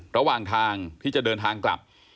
ระหว่างทางที่จะเดินทางกลับ